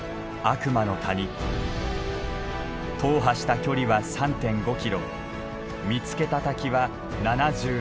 踏破した距離は３．５キロ見つけた滝は７５。